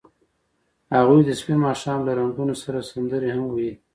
هغوی د سپین ماښام له رنګونو سره سندرې هم ویلې.